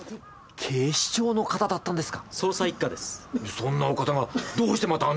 そんなお方がどうしてまたあんなことを？